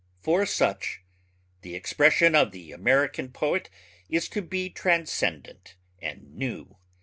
For such the expression of the American poet is to be transcendent and new.